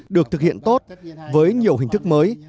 được thực hiện tốt với nhiều hình thức mới